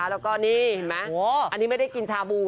อันนี้ไม่ได้กินชาบู